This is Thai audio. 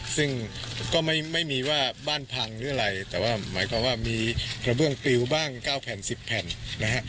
ซึ่งก็ไม่มีว่าบ้านพังหรืออะไรแต่ว่าหมายความว่ามีกระเบื้องปลิวบ้าง๙แผ่น๑๐แผ่นนะฮะ